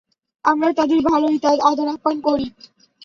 আমরা তাদের ভালই আদর আপ্যায়ন করি।